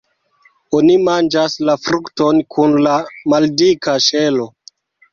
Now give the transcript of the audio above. Oni manĝas la frukton kun la maldika ŝelo.